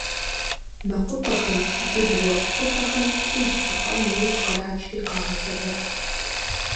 Мэкъупӏэхэм, губгъуэ хъупӏэхэм плъыжь щыхъуа нэужь кърачри къагъэсэбэп.